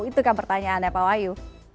itukah pertanyaannya pak wayu